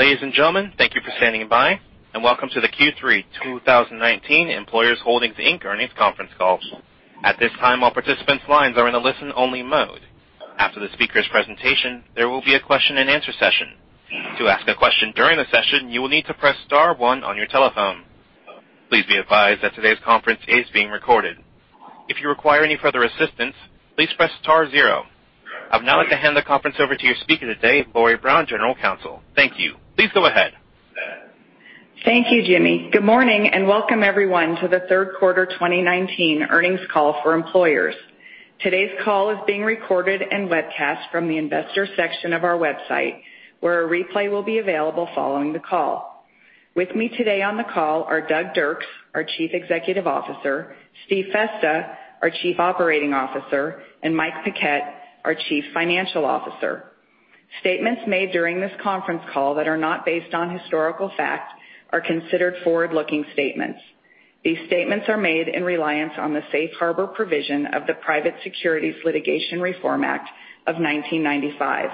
Ladies and gentlemen, thank you for standing by, and welcome to the Q3 2019 Employers Holdings, Inc. earnings conference call. At this time, all participants' lines are in a listen-only mode. After the speakers' presentation, there will be a question and answer session. To ask a question during the session, you will need to press star one on your telephone. Please be advised that today's conference is being recorded. If you require any further assistance, please press star zero. I would now like to hand the conference over to your speaker today, Lori Brown, General Counsel. Thank you. Please go ahead. Thank you, Jimmy. Good morning, and welcome everyone to the third quarter 2019 earnings call for Employers. Today's call is being recorded and webcast from the Investors section of our website, where a replay will be available following the call. With me today on the call are Doug Dirks, our Chief Executive Officer, Steve Festa, our Chief Operating Officer, and Mike Paquette, our Chief Financial Officer. Statements made during this conference call that are not based on historical fact are considered forward-looking statements. These statements are made in reliance on the safe harbor provision of the Private Securities Litigation Reform Act of 1995.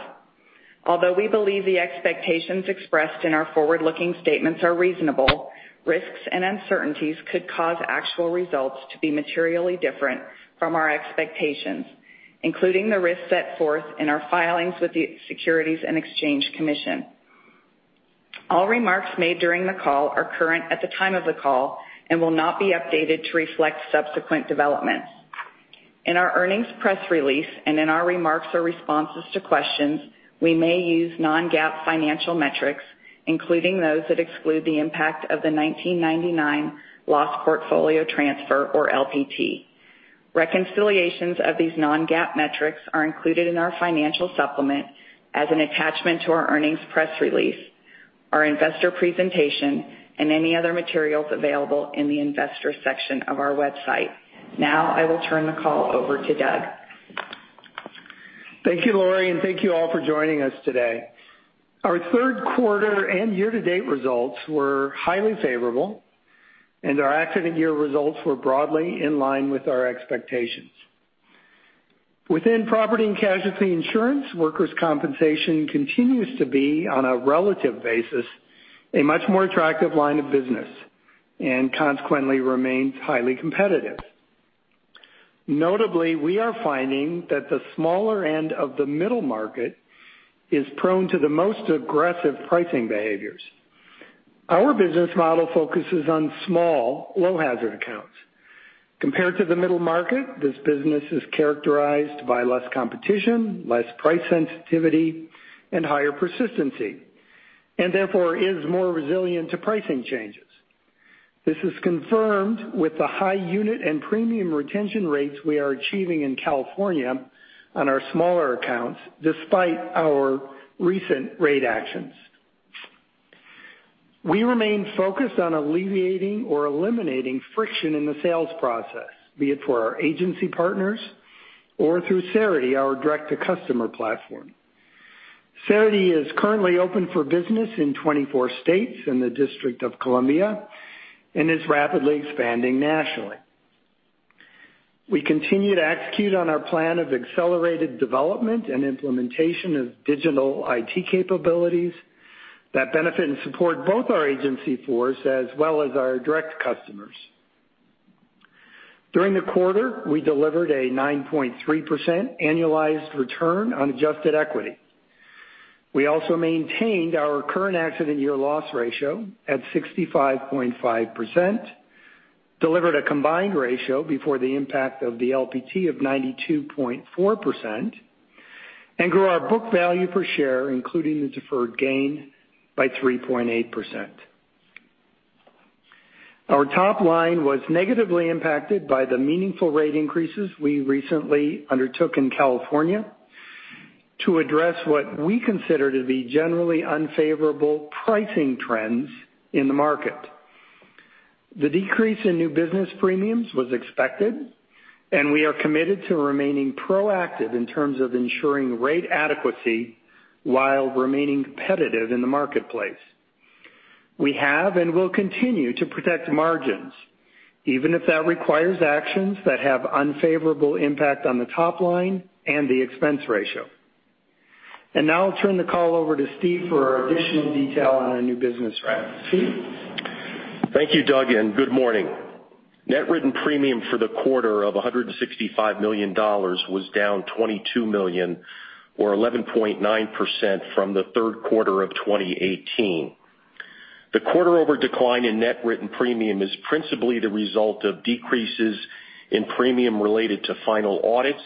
Although we believe the expectations expressed in our forward-looking statements are reasonable, risks and uncertainties could cause actual results to be materially different from our expectations, including the risks set forth in our filings with the Securities and Exchange Commission. All remarks made during the call are current at the time of the call and will not be updated to reflect subsequent developments. In our earnings press release and in our remarks or responses to questions, we may use non-GAAP financial metrics, including those that exclude the impact of the 1999 Loss Portfolio Transfer, or LPT. Reconciliations of these non-GAAP metrics are included in our financial supplement as an attachment to our earnings press release, our investor presentation, and any other materials available in the Investors section of our website. Now, I will turn the call over to Doug. Thank you, Lori, and thank you all for joining us today. Our third quarter and year-to-date results were highly favorable, and our accident year results were broadly in line with our expectations. Within property and casualty insurance, workers' compensation continues to be, on a relative basis, a much more attractive line of business and consequently remains highly competitive. Notably, we are finding that the smaller end of the middle market is prone to the most aggressive pricing behaviors. Our business model focuses on small, low-hazard accounts. Compared to the middle market, this business is characterized by less competition, less price sensitivity, and higher persistency, and therefore is more resilient to pricing changes. This is confirmed with the high unit and premium retention rates we are achieving in California on our smaller accounts, despite our recent rate actions. We remain focused on alleviating or eliminating friction in the sales process, be it for our agency partners or through Cerity, our direct-to-customer platform. Cerity is currently open for business in 24 states and the District of Columbia and is rapidly expanding nationally. We continue to execute on our plan of accelerated development and implementation of digital IT capabilities that benefit and support both our agency force as well as our direct customers. During the quarter, we delivered a 9.3% annualized return on adjusted equity. We also maintained our current accident year loss ratio at 65.5%, delivered a combined ratio before the impact of the LPT of 92.4%, and grew our book value per share, including the deferred gain, by 3.8%. Our top line was negatively impacted by the meaningful rate increases we recently undertook in California to address what we consider to be generally unfavorable pricing trends in the market. The decrease in new business premiums was expected, and we are committed to remaining proactive in terms of ensuring rate adequacy while remaining competitive in the marketplace. We have and will continue to protect margins, even if that requires actions that have unfavorable impact on the top line and the expense ratio. Now I'll turn the call over to Steve for additional detail on our new business strategy. Steve? Thank you, Doug, and good morning. Net written premium for the quarter of $165 million was down $22 million, or 11.9%, from the third quarter of 2018. The quarter-over-quarter decline in net written premium is principally the result of decreases in premium related to final audits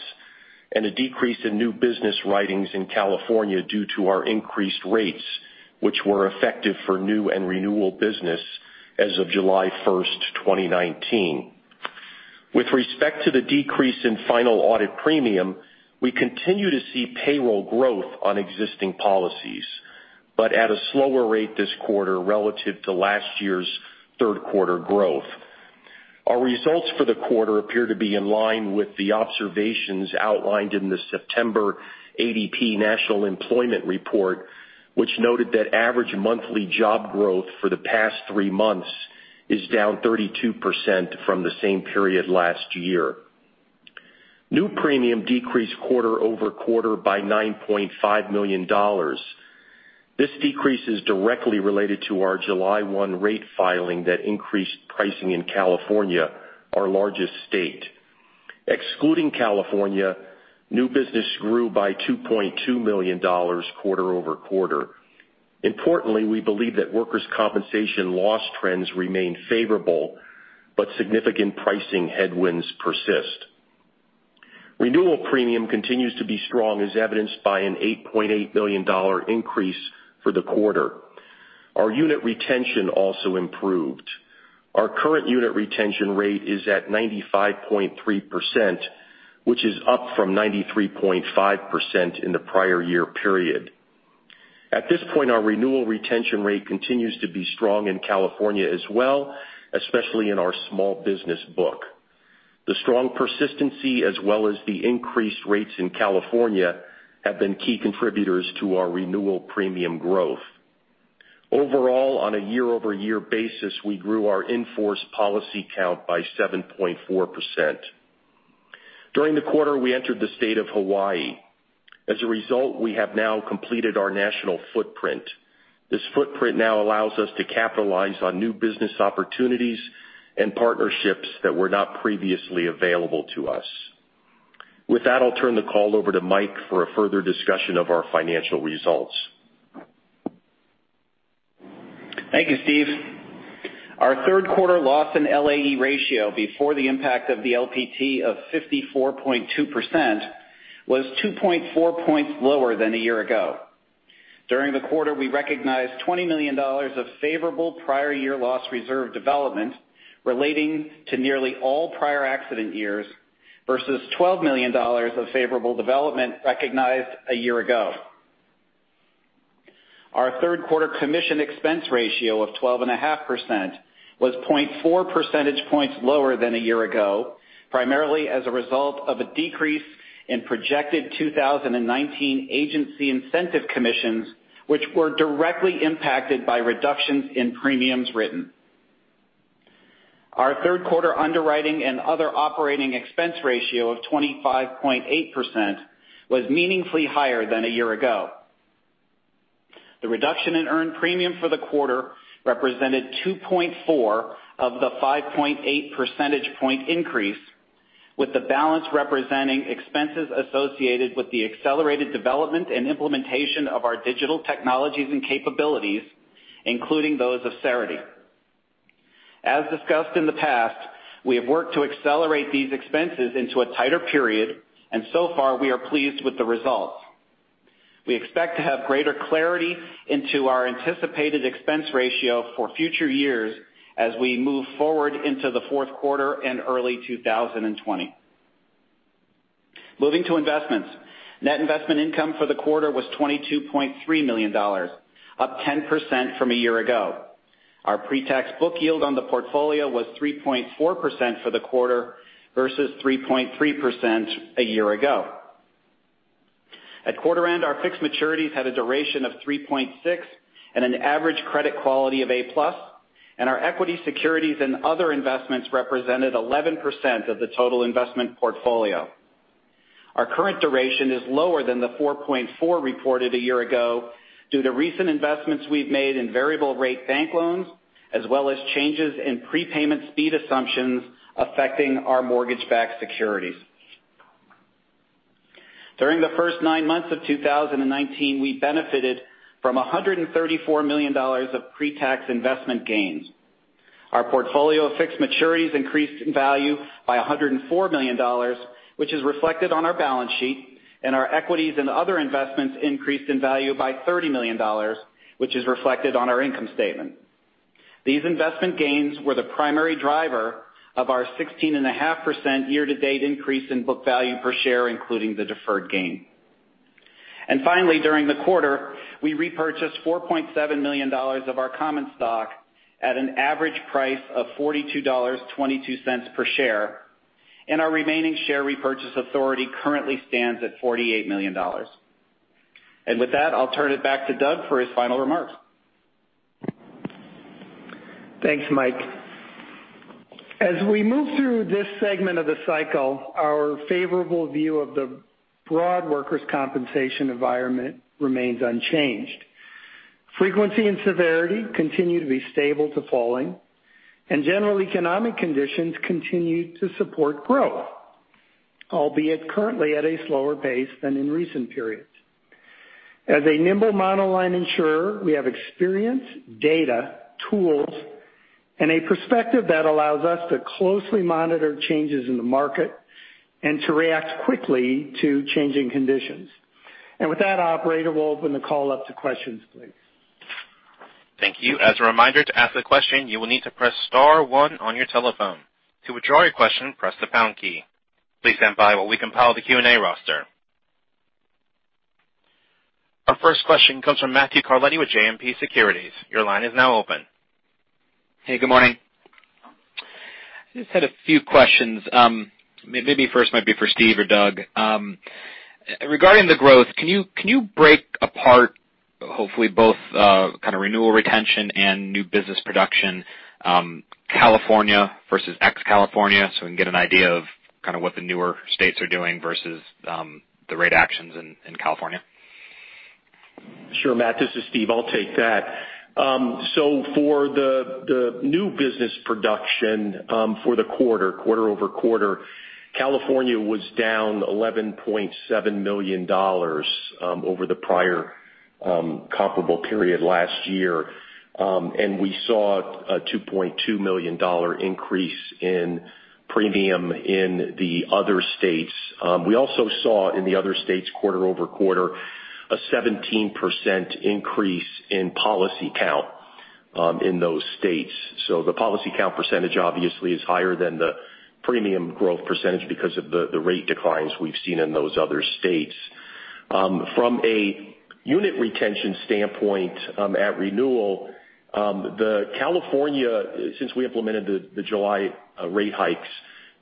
and a decrease in new business writings in California due to our increased rates, which were effective for new and renewal business as of July 1, 2019. With respect to the decrease in final audit premium, we continue to see payroll growth on existing policies, but at a slower rate this quarter relative to last year's third quarter growth. Our results for the quarter appear to be in line with the observations outlined in the September ADP National Employment Report, which noted that average monthly job growth for the past three months is down 32% from the same period last year. New premium decreased quarter-over-quarter by $9.5 million. This decrease is directly related to our July 1 rate filing that increased pricing in California, our largest state. Excluding California, new business grew by $2.2 million quarter-over-quarter. Importantly, we believe that workers' compensation loss trends remain favorable, but significant pricing headwinds persist. Renewal premium continues to be strong, as evidenced by an $8.8 million increase for the quarter. Our unit retention also improved. Our current unit retention rate is at 95.3%, which is up from 93.5% in the prior year period. At this point, our renewal retention rate continues to be strong in California as well, especially in our small business book. The strong persistency as well as the increased rates in California have been key contributors to our renewal premium growth. Overall, on a year-over-year basis, we grew our in-force policy count by 7.4%. During the quarter, we entered the state of Hawaii. As a result, we have now completed our national footprint. This footprint now allows us to capitalize on new business opportunities and partnerships that were not previously available to us. With that, I'll turn the call over to Mike for a further discussion of our financial results. Thank you, Steve. Our third quarter loss and LAE ratio before the impact of the LPT of 54.2% was 2.4 points lower than a year ago. During the quarter, we recognized $20 million of favorable prior year loss reserve development relating to nearly all prior accident years versus $12 million of favorable development recognized a year ago. Our third quarter commission expense ratio of 12.5% was 0.4 percentage points lower than a year ago, primarily as a result of a decrease in projected 2019 agency incentive commissions, which were directly impacted by reductions in premiums written. Our third quarter underwriting and other operating expense ratio of 25.8% was meaningfully higher than a year ago. The reduction in earned premium for the quarter represented 2.4 of the 5.8 percentage point increase, with the balance representing expenses associated with the accelerated development and implementation of our digital technologies and capabilities, including those of Cerity. Discussed in the past, we have worked to accelerate these expenses into a tighter period, so far, we are pleased with the results. We expect to have greater clarity into our anticipated expense ratio for future years as we move forward into the fourth quarter and early 2020. Moving to investments. Net investment income for the quarter was $22.3 million, up 10% from a year ago. Our pre-tax book yield on the portfolio was 3.4% for the quarter versus 3.3% a year ago. At quarter end, our fixed maturities had a duration of 3.6 and an average credit quality of A+, our equity securities and other investments represented 11% of the total investment portfolio. Our current duration is lower than the 4.4 reported a year ago due to recent investments we've made in variable rate bank loans, as well as changes in prepayment speed assumptions affecting our mortgage-backed securities. During the first nine months of 2019, we benefited from $134 million of pre-tax investment gains. Our portfolio of fixed maturities increased in value by $104 million, which is reflected on our balance sheet, our equities and other investments increased in value by $30 million, which is reflected on our income statement. These investment gains were the primary driver of our 16.5% year-to-date increase in book value per share, including the deferred gain. Finally, during the quarter, we repurchased $4.7 million of our common stock at an average price of $42.22 per share, our remaining share repurchase authority currently stands at $48 million. With that, I'll turn it back to Doug for his final remarks. Thanks, Mike. As we move through this segment of the cycle, our favorable view of the broad workers' compensation environment remains unchanged. Frequency and severity continue to be stable to falling, and general economic conditions continue to support growth, albeit currently at a slower pace than in recent periods. As a nimble monoline insurer, we have experience, data, tools, and a perspective that allows us to closely monitor changes in the market and to react quickly to changing conditions. With that, operator, we'll open the call up to questions, please. Thank you. As a reminder, to ask a question, you will need to press star one on your telephone. To withdraw your question, press the pound key. Please stand by while we compile the Q&A roster. Our first question comes from Matt Carletti with JMP Securities. Your line is now open. Hey, good morning. I just had a few questions. Maybe first might be for Steve or Doug. Regarding the growth, can you break apart, hopefully both kind of renewal retention and new business production, California versus ex-California, so we can get an idea of what the newer states are doing versus the rate actions in California? Sure, Matt, this is Steve. I'll take that. For the new business production for the quarter-over-quarter, California was down $11.7 million over the prior comparable period last year. We saw a $2.2 million increase in premium in the other states. We also saw in the other states, quarter-over-quarter, a 17% increase in policy count in those states. The policy count percentage obviously is higher than the premium growth percentage because of the rate declines we've seen in those other states. From a unit retention standpoint at renewal, the California, since we implemented the July rate hikes,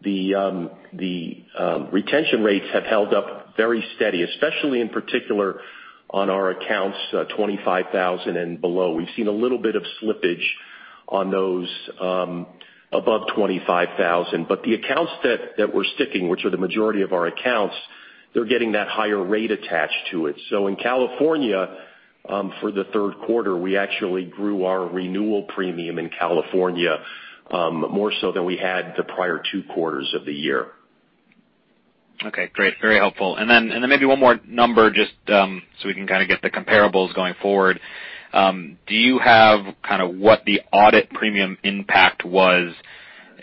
the retention rates have held up very steady, especially in particular on our accounts $25,000 and below. We've seen a little bit of slippage on those above $25,000. The accounts that we're sticking, which are the majority of our accounts, they're getting that higher rate attached to it. In California, for the third quarter, we actually grew our renewal premium in California, more so than we had the prior two quarters of the year. Okay, great. Very helpful. Maybe one more number just so we can kind of get the comparables going forward. Do you have what the audit premium impact was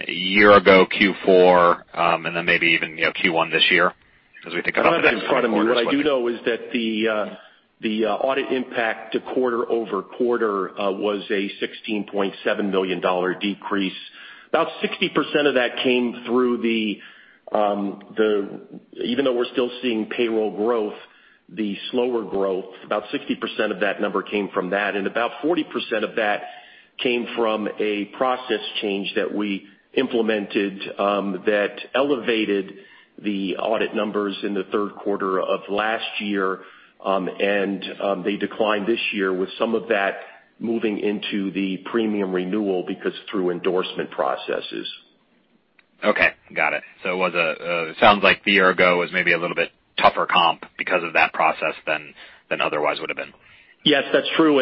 year ago Q4, then maybe even Q1 this year as we think about next quarter? I'm not in front of me. What I do know is that the audit impact to quarter-over-quarter was a $16.7 million decrease. About 60% of that came through the, even though we're still seeing payroll growth, the slower growth, about 60% of that number came from that, and about 40% of that came from a process change that we implemented, that elevated the audit numbers in the third quarter of last year. They declined this year with some of that moving into the premium renewal because through endorsement processes. Okay, got it. It sounds like the year ago was maybe a little bit tougher comp because of that process than otherwise would've been. Yes, that's true.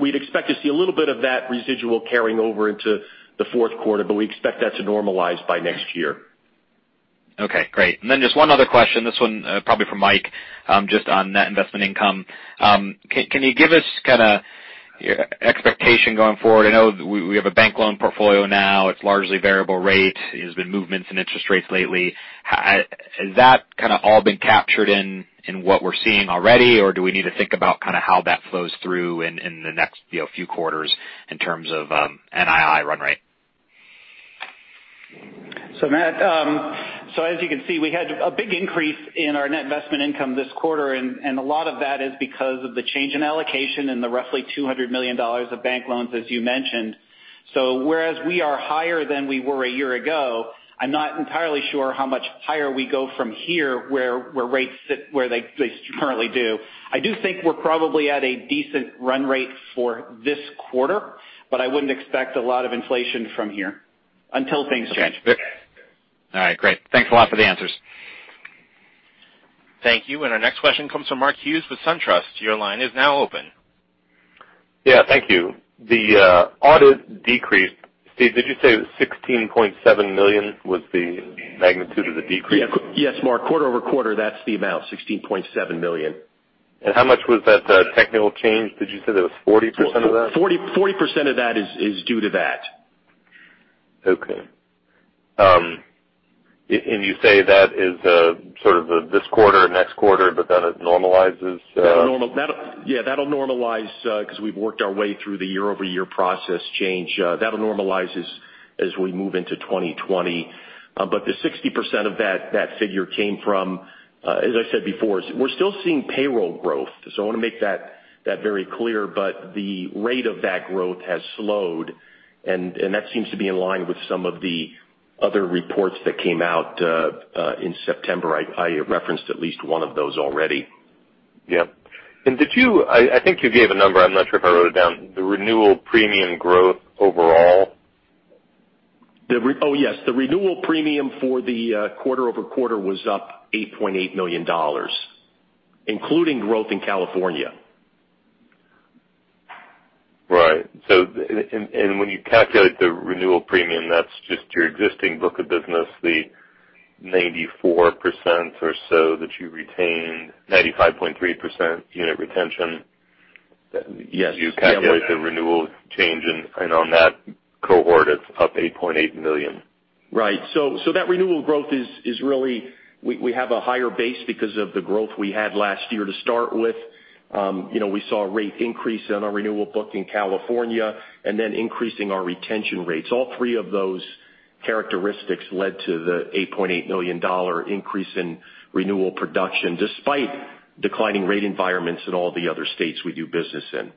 We'd expect to see a little bit of that residual carrying over into the fourth quarter, but we expect that to normalize by next year. Okay, great. Just one other question. This one probably for Mike, just on net investment income. Can you give us kind of your expectation going forward? I know we have a bank loan portfolio now. It's largely variable rate. There's been movements in interest rates lately. Has that kind of all been captured in what we're seeing already, or do we need to think about how that flows through in the next few quarters in terms of NII run rate? Matt, so as you can see, we had a big increase in our net investment income this quarter, and a lot of that is because of the change in allocation and the roughly $200 million of bank loans, as you mentioned. Whereas we are higher than we were a year ago, I'm not entirely sure how much higher we go from here, where rates sit where they currently do. I do think we're probably at a decent run rate for this quarter, but I wouldn't expect a lot of inflation from here until things change. All right, great. Thanks a lot for the answers. Thank you. Our next question comes from Mark Hughes with SunTrust. Your line is now open. Yeah, thank you. The audit decreased. Steve, did you say it was $16.7 million was the magnitude of the decrease? Yes, Mark. Quarter-over-quarter, that's the amount, $16.7 million. How much was that technical change? Did you say that was 40% of that? 40% of that is due to that. Okay. You say that is sort of this quarter, next quarter, but then it normalizes. Yeah, that'll normalize, because we've worked our way through the year-over-year process change. That normalizes as we move into 2020. The 60% of that figure came from, as I said before, we're still seeing payroll growth, so I want to make that very clear, but the rate of that growth has slowed, and that seems to be in line with some of the other reports that came out in September. I referenced at least one of those already. Yeah. I think you gave a number, I'm not sure if I wrote it down, the renewal premium growth overall. Oh, yes. The renewal premium for the quarter-over-quarter was up $8.8 million, including growth in California. Right. When you calculate the renewal premium, that's just your existing book of business, the 94% or so that you retained, 95.3% unit retention. Yes You calculate the renewal change, and on that cohort, it's up $8.8 million. That renewal growth is really, we have a higher base because of the growth we had last year to start with. We saw a rate increase in our renewal book in California and then increasing our retention rates. All three of those characteristics led to the $8.8 million increase in renewal production, despite declining rate environments in all the other states we do business in.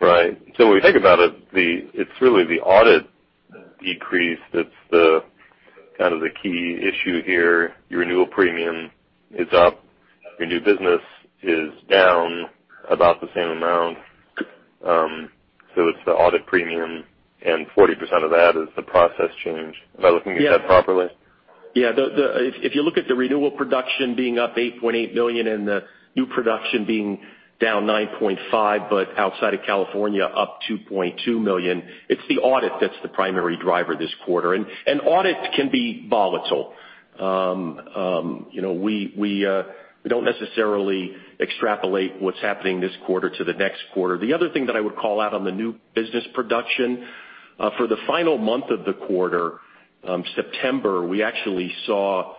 Right. When you think about it's really the audit decrease that's the key issue here. Your renewal premium is up, your new business is down about the same amount. It's the audit premium, and 40% of that is the process change. Am I looking at that properly? Yeah. If you look at the renewal production being up $8.8 million and the new production being down $9.5 million, but outside of California, up $2.2 million, it's the audit that's the primary driver this quarter, and audit can be volatile. We don't necessarily extrapolate what's happening this quarter to the next quarter. The other thing that I would call out on the new business production, for the final month of the quarter, September, we actually saw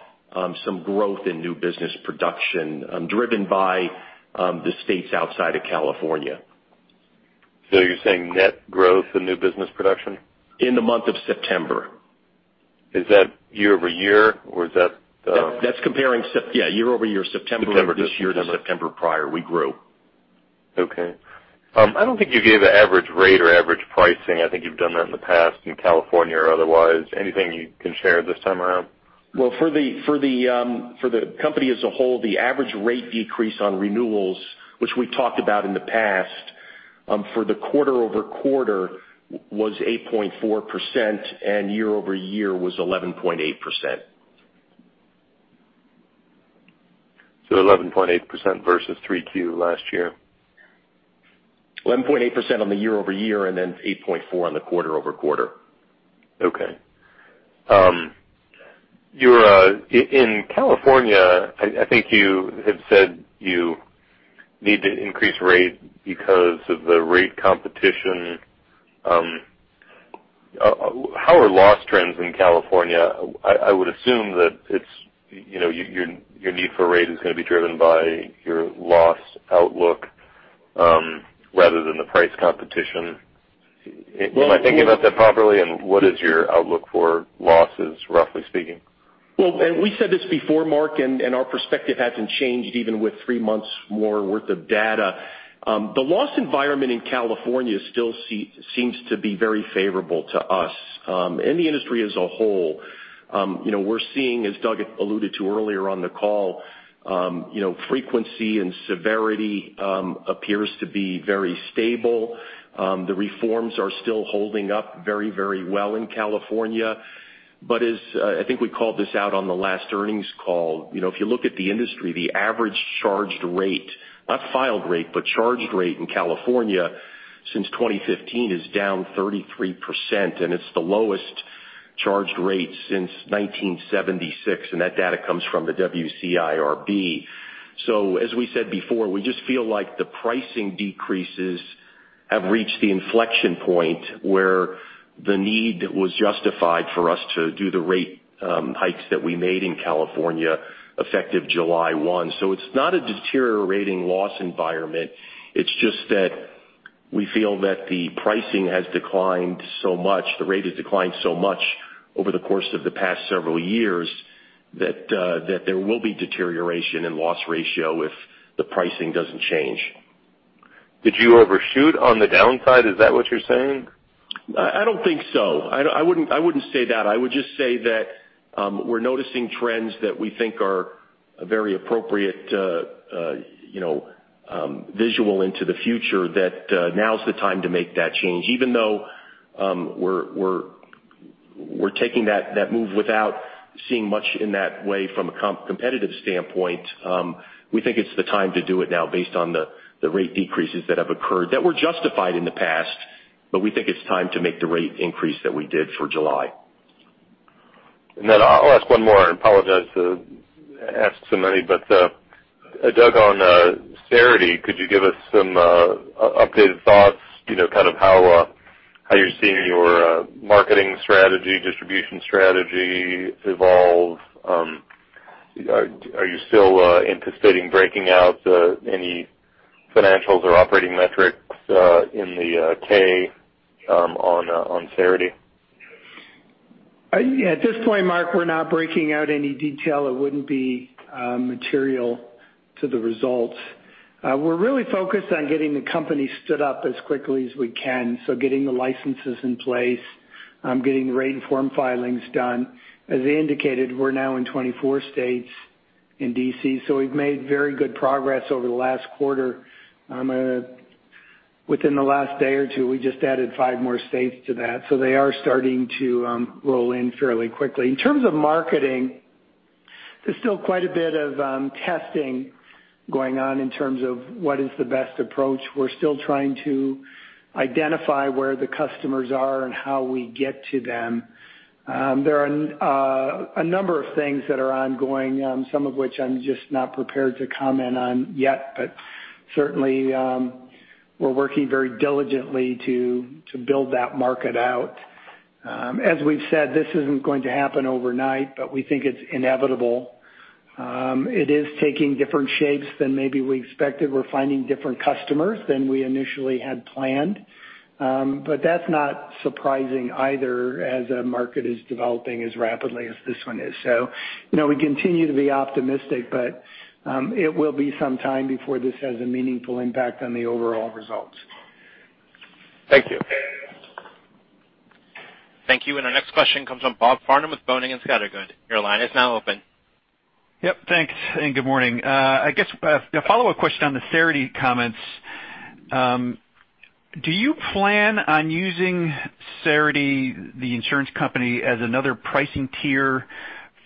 some growth in new business production driven by the states outside of California. You're saying net growth in new business production? In the month of September. Is that year-over-year or is that? That's comparing, yeah, year-over-year, September of this year to September prior, we grew. Okay. I don't think you gave average rate or average pricing. I think you've done that in the past in California or otherwise. Anything you can share this time around? For the company as a whole, the average rate decrease on renewals, which we talked about in the past, for the quarter-over-quarter was 8.4%, and year-over-year was 11.8%. 11.8% versus Q3 last year. 11.8% on the year-over-year, 8.4% on the quarter-over-quarter. In California, I think you have said you need to increase rate because of the rate competition. How are loss trends in California? I would assume that your need for rate is going to be driven by your loss outlook, rather than the price competition. Am I thinking about that properly, and what is your outlook for losses, roughly speaking? We said this before, Mark, our perspective hasn't changed even with three months more worth of data. The loss environment in California still seems to be very favorable to us and the industry as a whole. We're seeing, as Doug alluded to earlier on the call, frequency and severity appears to be very stable. The reforms are still holding up very well in California. I think we called this out on the last earnings call, if you look at the industry, the average charged rate, not filed rate, but charged rate in California since 2015 is down 33%, and it's the lowest charged rate since 1976, and that data comes from the WCIRB. As we said before, we just feel like the pricing decreases have reached the inflection point where the need was justified for us to do the rate hikes that we made in California effective July 1. It's not a deteriorating loss environment. It's just that we feel that the pricing has declined so much, the rate has declined so much over the course of the past several years that there will be deterioration in loss ratio if the pricing doesn't change. Did you overshoot on the downside? Is that what you're saying? I don't think so. I wouldn't say that. I would just say that we're noticing trends that we think are a very appropriate visual into the future, that now's the time to make that change. Even though we're taking that move without seeing much in that way from a competitive standpoint, we think it's the time to do it now based on the rate decreases that have occurred that were justified in the past, we think it's time to make the rate increase that we did for July. I'll ask one more. I apologize to ask so many. Doug, on Cerity, could you give us some updated thoughts, how you're seeing your marketing strategy, distribution strategy evolve? Are you still anticipating breaking out any financials or operating metrics in the K on Cerity? At this point, Mark, we're not breaking out any detail. It wouldn't be material to the results. We're really focused on getting the company stood up as quickly as we can. Getting the licenses in place, getting the rate form filings done. As indicated, we're now in 24 states in D.C., we've made very good progress over the last quarter. Within the last day or two, we just added five more states to that, they are starting to roll in fairly quickly. In terms of marketing, there's still quite a bit of testing going on in terms of what is the best approach. We're still trying to identify where the customers are and how we get to them. There are a number of things that are ongoing, some of which I'm just not prepared to comment on yet. Certainly, we're working very diligently to build that market out. As we've said, this isn't going to happen overnight, but we think it's inevitable. It is taking different shapes than maybe we expected. We're finding different customers than we initially had planned. That's not surprising either as a market is developing as rapidly as this one is. We continue to be optimistic, but it will be some time before this has a meaningful impact on the overall results. Thank you. Thank you. Our next question comes from Bob Farnam with Boenning & Scattergood. Your line is now open. Yep. Thanks, and good morning. I guess a follow-up question on the Cerity comments. Do you plan on using Cerity, the insurance company, as another pricing tier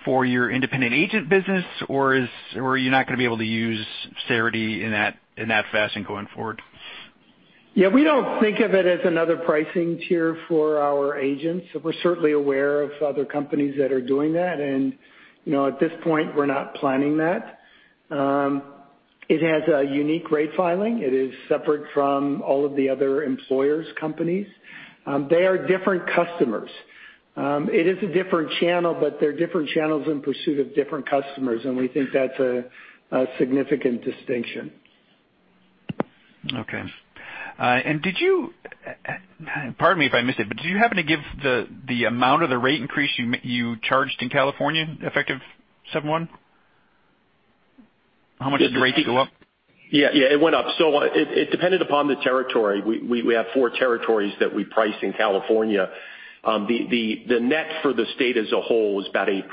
for your independent agent business, or you're not going to be able to use Cerity in that fashion going forward? Yeah. We don't think of it as another pricing tier for our agents. We're certainly aware of other companies that are doing that, at this point we're not planning that. It has a unique rate filing. It is separate from all of the other Employers companies. They are different customers. It is a different channel, but they're different channels in pursuit of different customers, we think that's a significant distinction. Okay. Did you, pardon me if I missed it, did you happen to give the amount of the rate increase you charged in California effective 7/1? How much did the rates go up? Yeah. It went up. It depended upon the territory. We have four territories that we price in California. The net for the state as a whole was about 8%.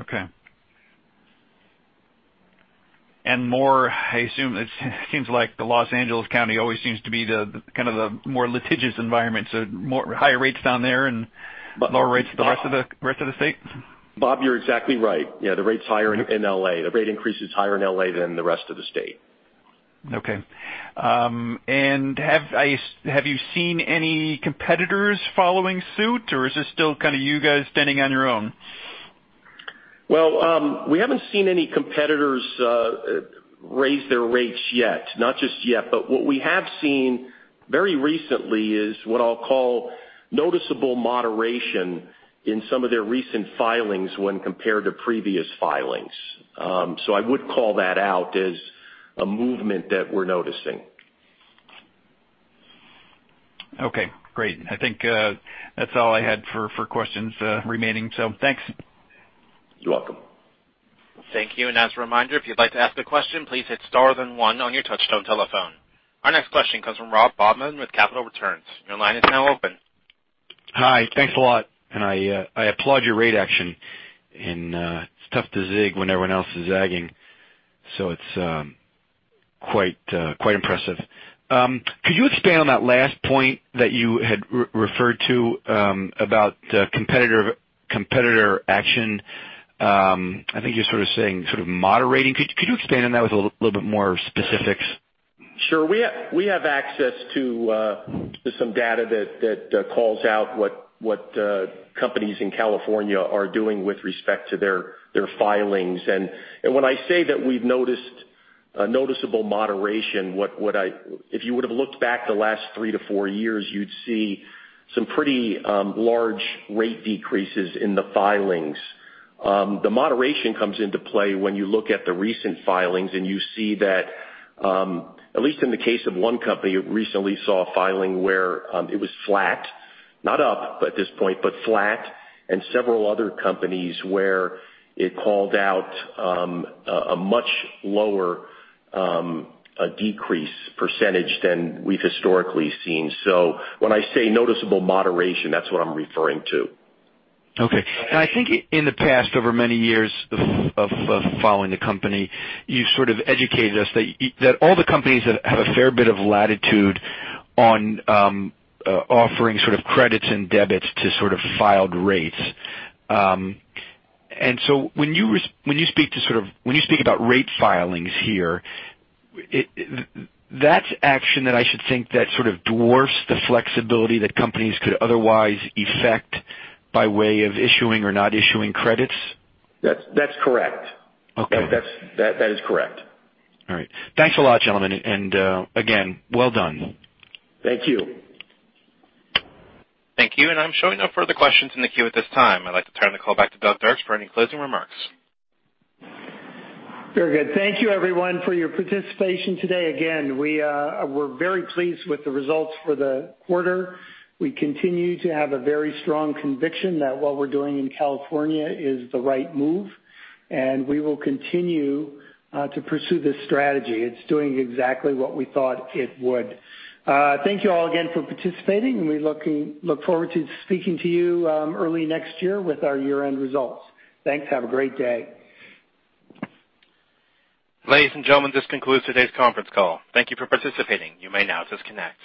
Okay. More, I assume, it seems like the Los Angeles County always seems to be the more litigious environment, higher rates down there and lower rates the rest of the state? Bob, you're exactly right. Yeah, the rate's higher in L.A. The rate increase is higher in L.A. than the rest of the state. Okay. Have you seen any competitors following suit, or is this still you guys standing on your own? Well, we haven't seen any competitors raise their rates yet, not just yet. What we have seen very recently is what I'll call noticeable moderation in some of their recent filings when compared to previous filings. I would call that out as a movement that we're noticing. Okay, great. I think that's all I had for questions remaining, thanks. You're welcome. Thank you. As a reminder, if you'd like to ask a question, please hit star then one on your touchtone telephone. Our next question comes from Rob Bauman with Capital Returns. Your line is now open. Hi. Thanks a lot. I applaud your rate action. It's tough to zig when everyone else is zagging. It's quite impressive. Could you expand on that last point that you had referred to about competitor action? I think you're sort of saying sort of moderating. Could you expand on that with a little bit more specifics? Sure. We have access to some data that calls out what companies in California are doing with respect to their filings. When I say that we've noticed a noticeable moderation, if you would've looked back the last 3 to 4 years, you'd see some pretty large rate decreases in the filings. The moderation comes into play when you look at the recent filings. You see that, at least in the case of one company, recently saw a filing where it was flat, not up at this point, but flat. Several other companies where it called out a much lower decrease percentage than we've historically seen. When I say noticeable moderation, that's what I'm referring to. Okay. I think in the past, over many years of following the company, you sort of educated us that all the companies have a fair bit of latitude on offering sort of credits and debits to sort of filed rates. When you speak about rate filings here, that's action that I should think that sort of dwarfs the flexibility that companies could otherwise effect by way of issuing or not issuing credits? That's correct. Okay. That is correct. All right. Thanks a lot, gentlemen, and again, well done. Thank you. Thank you. I'm showing no further questions in the queue at this time. I'd like to turn the call back to Doug Dirks for any closing remarks. Very good. Thank you everyone for your participation today. We're very pleased with the results for the quarter. We continue to have a very strong conviction that what we're doing in California is the right move, and we will continue to pursue this strategy. It's doing exactly what we thought it would. Thank you all again for participating, and we look forward to speaking to you early next year with our year-end results. Thanks. Have a great day. Ladies and gentlemen, this concludes today's conference call. Thank you for participating. You may now disconnect.